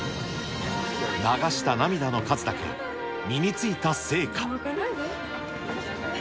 流した涙の数だけ身についた成果。